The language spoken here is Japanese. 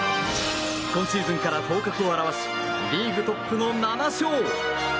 今シーズンから頭角を現しリーグトップの７勝！